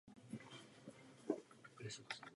Je druhou nejvyšší bustou na světě.